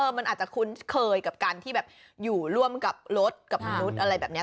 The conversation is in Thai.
มันอาจจะคุ้นเคยกับการที่แบบอยู่ร่วมกับรถกับมนุษย์อะไรแบบนี้